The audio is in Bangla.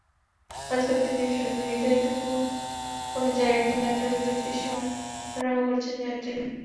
মাঝপথে নির্ধারিত কোনো কোনো জায়গায় যাত্রা বিরতির সময় ওঠা-নামা করছেন যাত্রীরা।